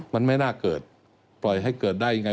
มันไม่น่าเกิดปล่อยให้เกิดได้ยังไง